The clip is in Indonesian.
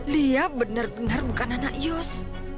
dia benar benar bukan anak yus